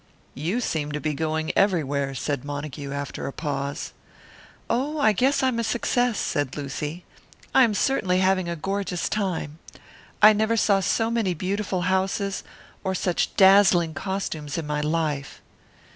"You seem to be going everywhere," said Montague, after a pause. "Oh, I guess I'm a success," said Lucy. "I am certainly having a gorgeous time. I never saw so many beautiful houses or such dazzling costumes in my life."